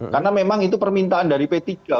karena memang itu permintaan dari p tiga